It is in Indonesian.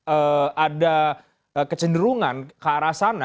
ada kecenderungan ke arah sana